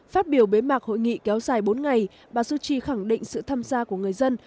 phát biểu bế mạc hội nghị kéo dài bốn ngày bà suu kyi khẳng định sự tham gia của người dân